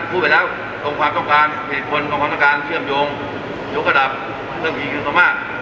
พูดไปแล้วตรงความต้องการผลิตคนตรงความต้องการเชื่อมโยงยุคกระดับเรื่องกิจกรรมมาก